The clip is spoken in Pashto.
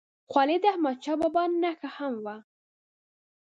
خولۍ د احمدشاه بابا نښه هم وه.